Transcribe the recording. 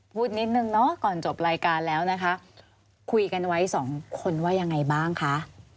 พูดนิดนึงเนาะก่อนจบรายการแล้วนะคะคุยกันไว้สองคนว่ายังไงบ้างคะ